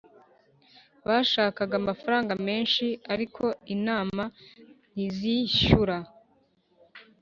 bashaka amafaranga menshi ariko inama ntizishyura